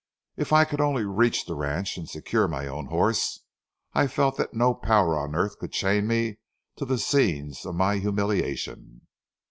If I could only reach the ranch and secure my own horse, I felt that no power on earth could chain me to the scenes of my humiliation.